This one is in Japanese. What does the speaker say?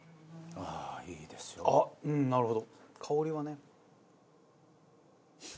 ああなるほど。